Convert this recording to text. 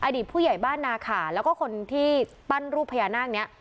อดีตผู้ใหญ่บ้านนาขาแล้วก็คนที่ปั้นรูปพญานาคนี้